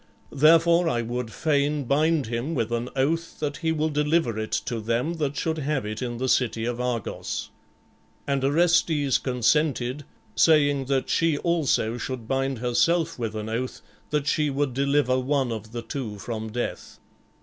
Therefore I would fain bind him with an oath that he will deliver it to them that should have it in the city of Argos." And Orestes consented, saying that she also should bind herself with an oath that she would deliver one of the two from death.